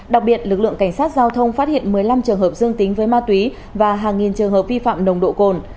đặc biệt lực lượng cảnh sát giao thông phát hiện một mươi năm trường hợp dương tính với ma túy và hàng nghìn trường hợp vi phạm nồng độ cồn